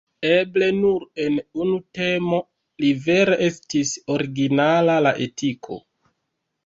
Eble nur en unu temo li vere estis originala: la etiko.